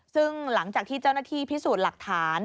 ซึ่งหลังจากที่เจ้าหน้าที่พิสูจน์หลักฐาน